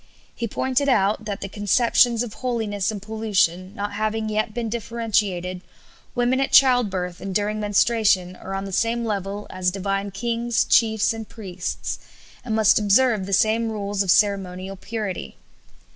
He pointed out that the conceptions of holiness and pollution not having yet been differentiated, women at childbirth and during menstruation are on the same level as divine kings, chiefs, and priests, and must observe the same rules of ceremonial purity.